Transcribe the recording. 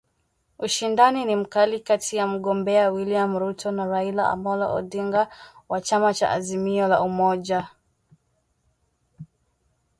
ushindani ni mkali kati ya mgombea William Ruto na Raila Amollo Odinga wa chama cha Azimio la Umoja